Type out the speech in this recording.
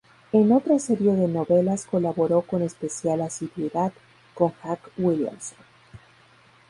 En otra serie de novelas colaboró con especial asiduidad con Jack Williamson.